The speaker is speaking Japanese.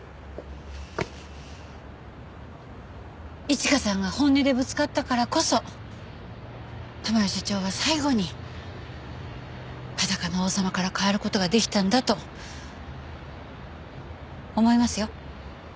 一花さんが本音でぶつかったからこそ珠代社長は最後に裸の王様から変わる事ができたんだと思いますよ。